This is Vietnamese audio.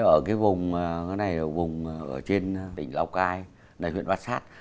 ở cái vùng trên đỉnh lào cai huyện bát sát